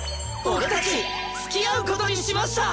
僕達つきあうことにしました！